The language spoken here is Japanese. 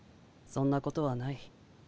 そんなことはない。